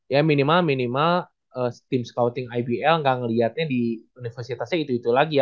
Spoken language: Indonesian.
ya minimal minimal tim scouting ibl nggak ngeliatnya di universitasnya itu itu lagi ya